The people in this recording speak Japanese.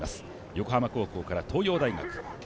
横浜高校から、東洋大学。